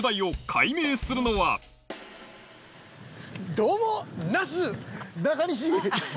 どうも。